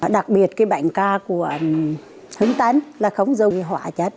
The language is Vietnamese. đặc biệt bánh cà của hưng tân là không dùng hỏa chất